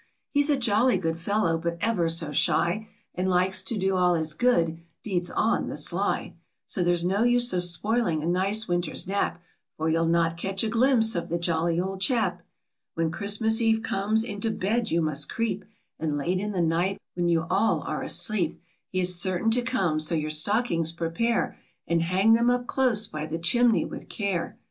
He's a jolly good fellow, but ever so shy, And likes to do all his good deeds on the sly, So there's no use of spoiling a nice winter's nap b or you'll not catch a glimpse of the jolly old chap. When Christmas Eve comes, into bed you must creep, And late in the night, when you all are asleep, He is certain to come; so your stockings prepare, And hang them up close by the chimney with care.